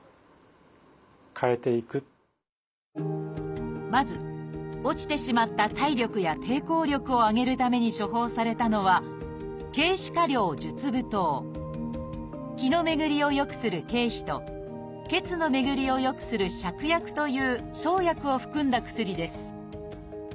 まずまず落ちてしまった体力や抵抗力を上げるために処方されたのは「気」の巡りをよくする桂皮と「血」の巡りをよくする芍薬という生薬を含んだ薬です。